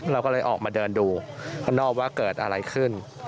เราก็เลยออกมาเดินดูข้างนอกว่าเกิดอะไรขึ้น